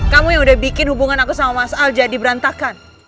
kamu yang udah bikin nama suami aku tuh jadi jelek